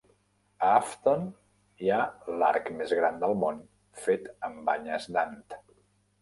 A Afton hi ha l'arc més gran del món fet amb banyes d'ant.